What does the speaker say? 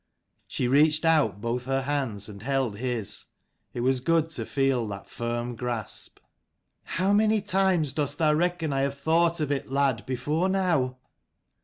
She reached out both her hands, and held his. It was good to feel that firm grasp. " How many times dost thou reckon I have thought of it, lad, before now